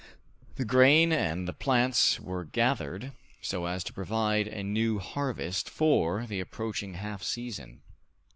The grain and the plants were gathered, so as to provide a new harvest for the approaching half season.